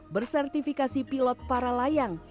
bersertifikasi pilot para layang